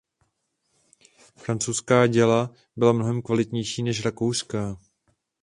Francouzská děla byla mnohem kvalitnější než rakouská.